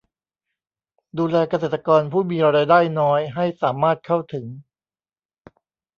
ดูแลเกษตรกรผู้มีรายได้น้อยให้สามารถเข้าถึง